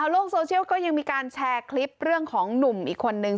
โลกโซเชียลก็ยังมีการแชร์คลิปเรื่องของหนุ่มอีกคนนึง